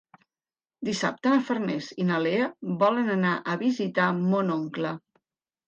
Dissabte na Farners i na Lea volen anar a visitar mon oncle.